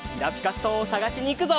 ストーンをさがしにいくぞ！